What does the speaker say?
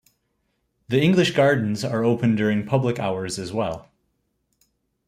The English gardens are open during public hours as well.